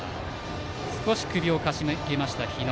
少し首をかしげた日野。